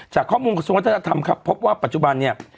จากข้อมูลกระทรวงวัฒนธรรมครับพบว่าปัจจุบันเนี่ย